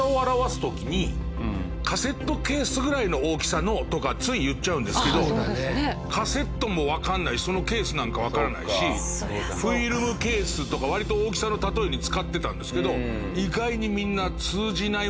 「カセットケースぐらいの大きさの」とかつい言っちゃうんですけどカセットもわかんないしそのケースなんかわからないしフィルムケースとか割と大きさの例えに使ってたんですけど意外にみんな。